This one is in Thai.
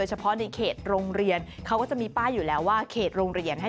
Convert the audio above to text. แต่ถ้าอยากข้ามความเดียวได้